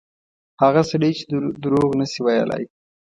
هغه سړی چې دروغ نه شي ویلای.